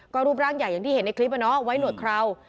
ก็รูปร่างใหญ่อย่างที่เห็นในคลิปไว้หนวดเครา